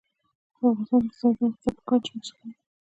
د افغانستان د اقتصادي پرمختګ لپاره پکار ده چې موسیقي وي.